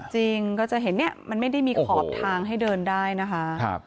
จริงก็จะเห็นเนี่ยมันไม่ได้มีขอบทางให้เดินได้นะคะ